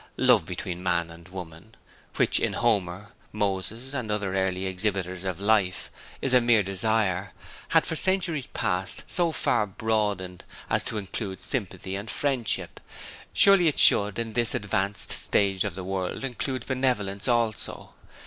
Love between man and woman, which in Homer, Moses, and other early exhibitors of life, is mere desire, had for centuries past so far broadened as to include sympathy and friendship; surely it should in this advanced stage of the world include benevolence also.